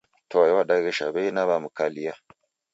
Toe wadaghesha w'ei naw'emkalia